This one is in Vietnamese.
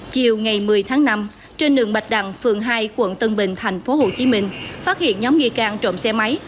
chiều ngày một mươi tháng năm trên đường bạch đằng phường hai quận tân bình tp hcm phát hiện nhóm nghi can trộm xe máy